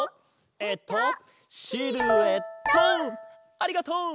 ありがとう！